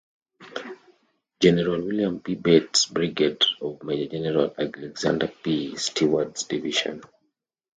General William B. Bate's brigade of Major General Alexander P. Stewart's division.